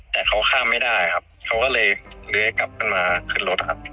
แต่เขาข้ามไม่ได้ครับเขาก็เลยเลื้อยกลับขึ้นมาขึ้นรถนะครับ